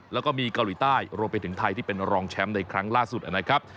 แล้วก็มีเกาหลีใต้รวมไปถึงไทยที่เป็นรองแชมป์ในครั้งล่าสุดนะครับ